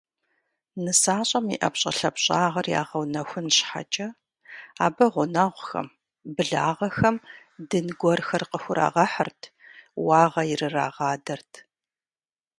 НысащӀэм и ӀэпщӀэлъапщӀагъэр ягъэунэхун щхьэкӀэ абы гъунэгъухэм, благъэхэм дын гуэрхэр къыхурагъэхьырт, уагъэ ирырагъадэрт.